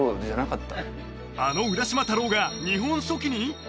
あの浦島太郎が「日本書紀」に？